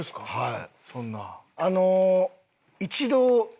はい。